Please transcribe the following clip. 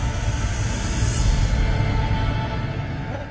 あっ。